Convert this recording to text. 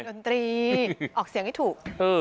ดนตรีออกเสียงให้ถูก